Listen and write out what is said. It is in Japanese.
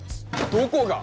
どこが⁉